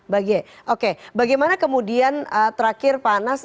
bagi oke bagaimana kemudian terakhir pak anas